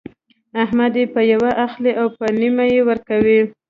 احمد يې په يوه اخلي او په نيمه يې ورکوي.